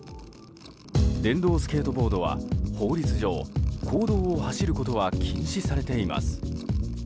電動スケートボードは法律上公道を走ることは禁止されています。